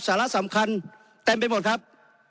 สาระสำคัญเต็มไปหมดครับ